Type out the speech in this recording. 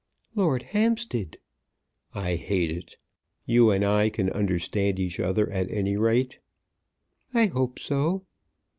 "Lord Hampstead!" "I hate it. You and I can understand each other, at any rate." "I hope so."